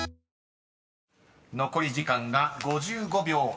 ［残り時間が５５秒１３。